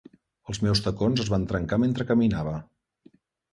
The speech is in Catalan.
Els meus tacons es van trencar mentre caminava.